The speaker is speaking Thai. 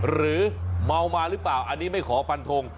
หรือเมามาหรือเปล่าอันนี้ไม่ขอฟันทง